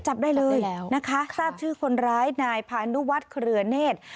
จับได้เลยนะคะทราบชื่อคนร้ายนายพานุวัฒน์เครือเนธ